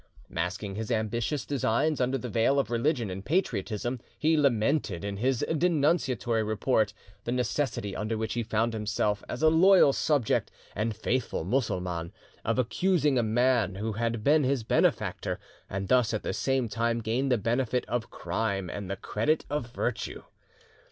Masking his ambitious designs under the veil of religion and patriotism, he lamented, in his denunciatory report, the necessity under which he found himself, as a loyal subject and faithful Mussulman, of accusing a man who had been his benefactor, and thus at the same time gained the benefit of crime and the credit of virtue.